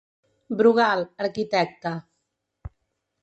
Brugal, arquitecte.